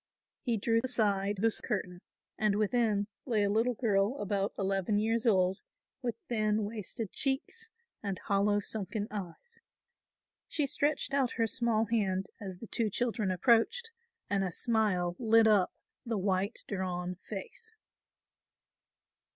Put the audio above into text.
He drew aside this curtain and within lay a little girl about eleven years old with thin wasted cheeks and hollow sunken eyes. She stretched out her small hand as the two children approached and a smile lit up the white drawn face.